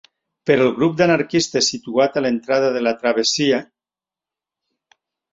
Però el grup d'anarquistes situat a l'entrada de la travessia...